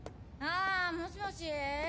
あもしもし。